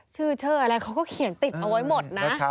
ชื่อเชิดอะไรเขาก็เขียนติดเอาไว้หมดนะ